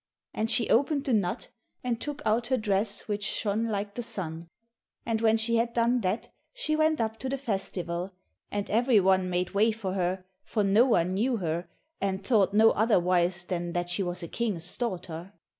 And she opened the nut, and took out her dress which shone like the sun, and when she had done that she went up to the festival, and every one made way for her, for no one knew her, and thought no otherwise than that she was a king's daughter.